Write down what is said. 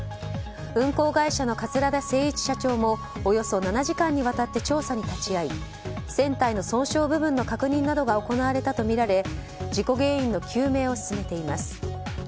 運航会社の桂田精一社長もおよそ７時間にわたって調査に立ち会い船体の損傷部分の確認などが行われたとみられ事故原因の究明を進めています。